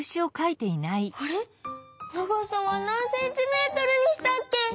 あれ長さはなんセンチメートルにしたっけ？